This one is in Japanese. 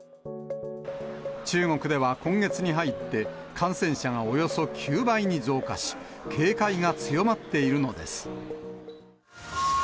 中国では今月に入って、感染者がおよそ９倍に増加し、警戒が強まっているのです。